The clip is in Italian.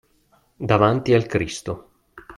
Davanti al Cristo.